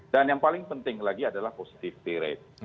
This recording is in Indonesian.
dan yang paling penting lagi adalah positive t rate